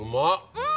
うん！